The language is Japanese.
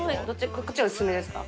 こっちがお勧めですか？